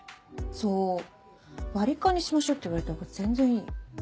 そう「割り勘にしましょう」って言われた方が全然いい。